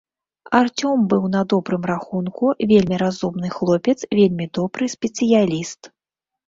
Арцём быў на добрым рахунку, вельмі разумны хлопец, вельмі добры спецыяліст.